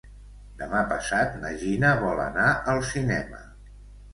Demà passat na Gina vol anar al cinema.